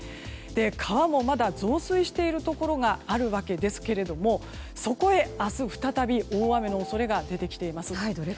川もまだ増水しているところがあるわけですけれどもそこへ明日、再び大雨の恐れが出てきています。